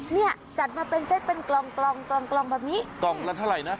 เนี่ยจัดมาเป็นแสดเป็นกล่องคงกลับนิกล่องละเท่าไรนะ